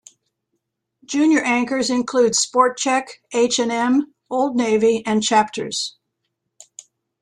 Junior anchors include Sport Chek, H and M, Old Navy, and Chapters.